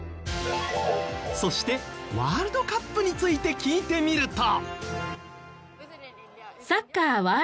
そしてワールドカップについて聞いてみると。